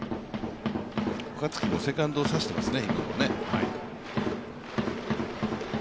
セカンドを刺していますよね。